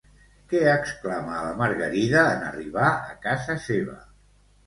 Què exclama a la Margarida en arribar a casa seva?